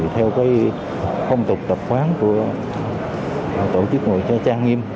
theo cái công tục tập khoán của tổ chức ngồi cho trang nghiêm